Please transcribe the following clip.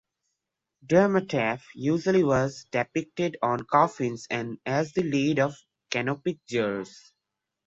Duamutef usually was depicted on coffins and as the lid of canopic jars.